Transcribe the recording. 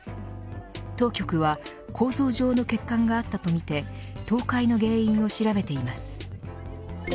当局は、構造上の欠陥があるかとみて倒壊の原因を調べています。